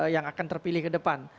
yang akan terpilih ke depan